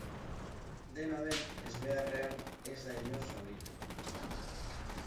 Dena den, ezbeharrean ez da inor zauritu.